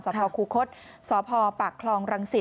สพคูคศสพปากคลองรังสิต